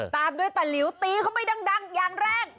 ตามด้วยตะหลิวตีเข้าไปดังอย่างแรก